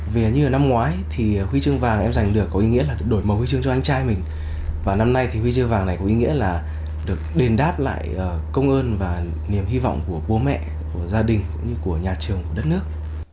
và năm nay thì huy chương vàng này có ý nghĩa là được đền đáp lại công ơn và niềm hy vọng của bố mẹ của gia đình cũng như của nhà trường của đất nước